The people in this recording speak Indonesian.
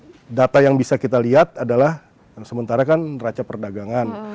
jadi isu ya data yang bisa kita lihat adalah sementara kan neraca perdagangan